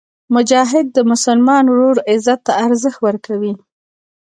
مجاهد د مسلمان ورور عزت ته ارزښت ورکوي.